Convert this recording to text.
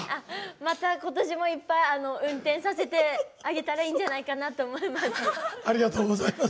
また今年もいっぱい運転させてあげたらいいんじゃないかなと思います。